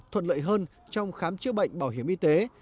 thuận lợi hơn trong khám chữa bệnh bảo hiểm y tế